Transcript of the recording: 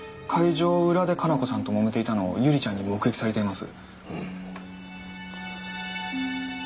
場裏で加奈子さんともめていたのを百合ちゃんに目撃されています